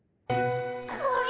これ。